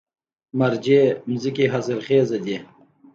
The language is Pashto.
مارجې ځمکې حاصلخیزه دي؟